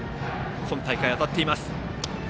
今大会、当たっています。